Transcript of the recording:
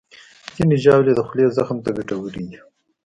ځینې ژاولې د خولې زخم ته ګټورې دي.